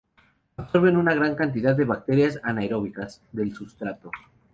Absorben una gran cantidad de bacterias anaeróbicas del sustrato.